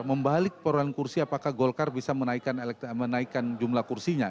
membalik perorangan kursi apakah golkar bisa menaikkan jumlah kursinya